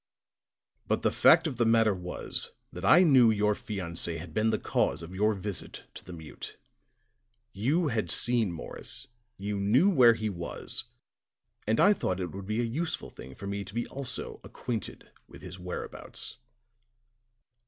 "But the fact of the matter was that I knew your fiancé had been the cause of your visit to the mute. You had seen Morris, you knew where he was, and I thought it would be a useful thing for me to be also acquainted with his whereabouts."